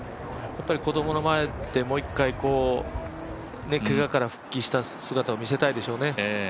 子供の前でもう１回けがから復帰した姿を見せたいでしょうね。